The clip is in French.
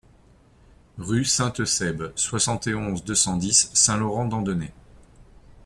Rue de Saint-Eusèbe, soixante et onze, deux cent dix Saint-Laurent-d'Andenay